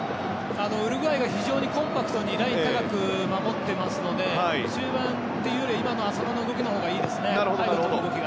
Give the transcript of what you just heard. ウルグアイが非常にコンパクトに守っていますので中盤というよりは今の浅野の動きがいいですね。